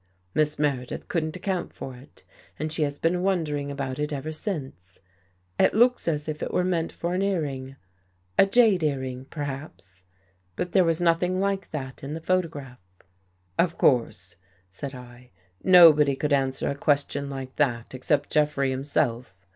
Miss Meredith couldn't account for it and she has been wondering about it ever since. It looks as if it were meant for an earring — a jade earring, perhaps. But there was nothing like that in the photograph." " Of course," said I, " nobody could answer a ques tion like that except Jeffrey himself.